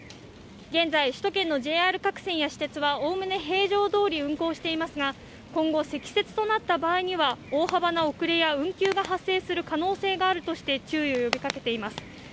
現在、首都圏のＪＲ各線や私鉄はおおむね平常どおり運行していますが、今後積雪となった場合には大幅な遅れや運休が発生する可能性があるとみて注意を呼びかけています。